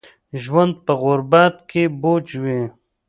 ژوند په غربت کې بوج وي